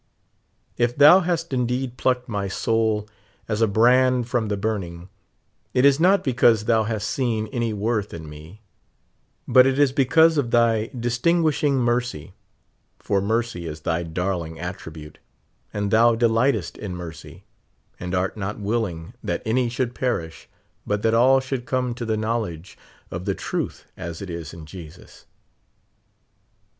If thou hast indeed plucked my soul as a brand from the burning, it is not because thou hast seen any wortii in me ; but it is because of thy distinguishing mercy, for mercy is thy darling attribute, and thou delightest in mercy, and art not willing that any should perish, but that all should come to the knowledge of the truth as it is in Jesus.